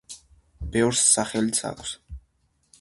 ბევრს სახელიც აქვს.